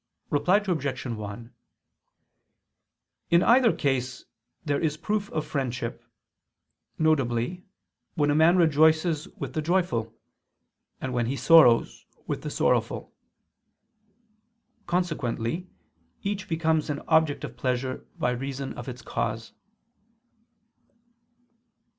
Reply Obj. 1: In either case there is a proof of friendship, viz. when a man rejoices with the joyful, and when he sorrows with the sorrowful. Consequently each becomes an object of pleasure by reason of its cause.